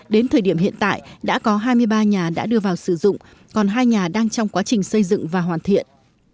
đến thời điểm hiện tại đã có hai mươi ba nhà đã đưa vào sử dụng còn hai nhà đang trong quá trình xây dựng và hoàn thiện